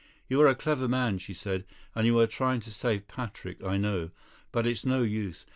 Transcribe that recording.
"You are a clever man," she said, "and you are trying to save Patrick, I know. But it's no use.